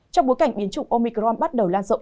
trong bối cảnh biến chủng omicron bắt đầu lan rộng